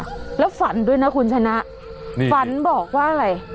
แล้วฝันด้วยนะคุณชนะฝันบอกว่าอะไร